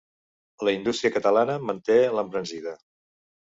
La indústria catalana manté l'embranzida.